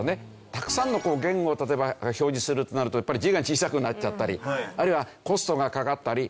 たくさんの言語を例えば表示するとなるとやっぱり字が小さくなっちゃったりあるいはコストがかかったりという事があるので